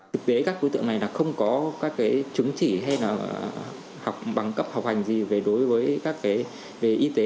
thực tế các đối tượng này không có chứng chỉ hay bằng cấp học hành gì đối với các y tế